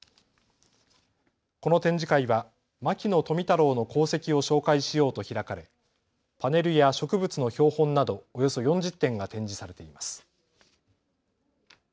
この展示会は牧野富太郎の功績を紹介しようと開かれパネルや植物の標本などおよそ４０点が展示されています。